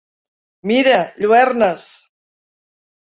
Mira, lluernes!